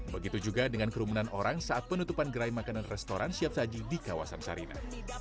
begitu juga dengan kerumunan orang saat penutupan gerai makanan restoran siap saji di kawasan sarina